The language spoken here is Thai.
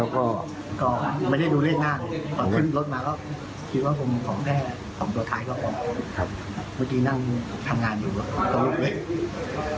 ก็ไม่ได้ดูเลขนาน